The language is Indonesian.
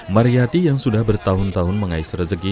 mariati yang sudah bertahun tahun mengais rejeki